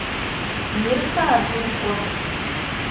Miri ka a duri goma.